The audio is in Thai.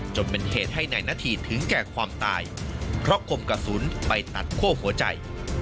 จนเป็นเหตุให้นายนาธีถึงแก่ความตายเพราะคมกระสุนไปตัดคั่วหัวใจ